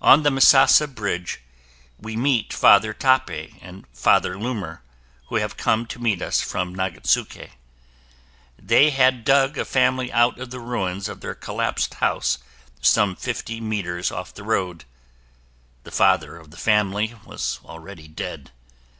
On the Misasa Bridge, we meet Father Tappe and Father Luhmer, who have come to meet us from Nagatsuke. They had dug a family out of the ruins of their collapsed house some fifty meters off the road. The father of the family was already dead.